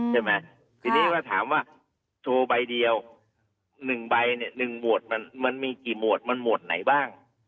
ใช่ไหมทีนี้ถ้าถามว่าโชว์ใบเดียว๑ใบเนี่ย๑หมวดมันมีกี่หมวดมันหมวดไหนบ้าง